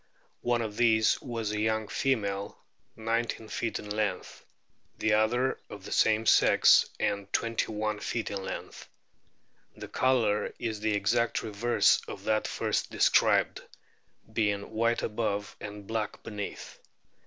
One of these was a young female, nineteen feet in length ; the other of the same sex, and twenty one feet in lenoth. The colour is the exact reverse of that o first described, being white above and black beneath.